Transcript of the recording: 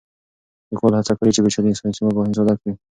لیکوال هڅه کړې چې پېچلي ساینسي مفاهیم ساده کړي.